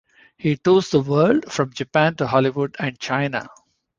He tours the world from Japan to Hollywood and China.